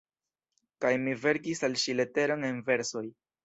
Kaj mi verkis al ŝi leteron en versoj».